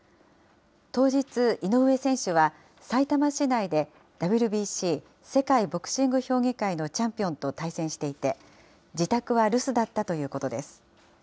当日、井上選手はさいたま市内でＷＢＣ・世界ボクシング評議会ののチャンピオンと対戦していて、自宅は留守だったということです。